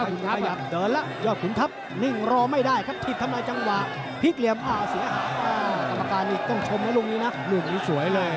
สามารถรอจังหวะ๒แล้ว